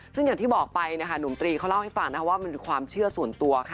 ซึ่งอย่างที่บอกไปนะคะหนุ่มตรีเขาเล่าให้ฟังนะคะว่ามันเป็นความเชื่อส่วนตัวค่ะ